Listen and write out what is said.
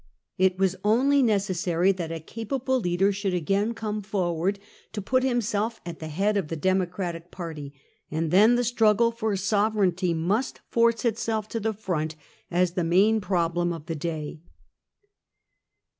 It was only necessary that a capable leader should again come forward to put himself at the head of the Democratic party, and then the struggle for sovereignty must force itself to the front as the main problem of the day.